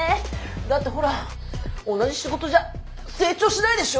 だってほら同じ仕事じゃ成長しないでしょ？